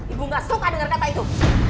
ibu gak suka denger kata itu